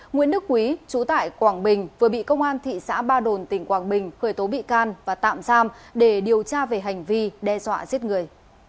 nguyễn đức quý chú tại quảng bình vừa bị công an thị xã ba đồn tỉnh quảng bình khởi tố bị can và tạm giam để điều tra về hành vi đe dọa giết người